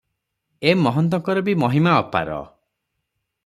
ଏ ମହନ୍ତଙ୍କର ବି ମହିମା ଅପାର ।